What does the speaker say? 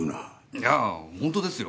いやぁ本当ですよ。